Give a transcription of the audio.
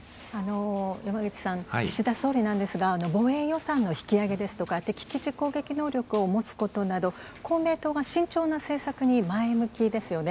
山口さん、岸田総理なんですが、防衛予算の引き上げですとか、敵基地攻撃能力を持つことなど、公明党が慎重な政策に前向きですよね。